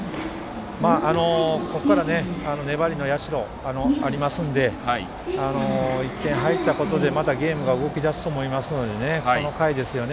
ここから社は粘りがありますので１点入ったことでまたゲームが動き出すと思うのでこの回ですよね。